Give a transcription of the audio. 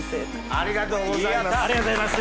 ありがとうございます！